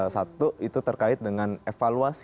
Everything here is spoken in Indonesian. satu itu terkait dengan evaluasi